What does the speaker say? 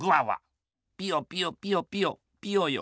ピヨピヨピヨピヨピヨヨ。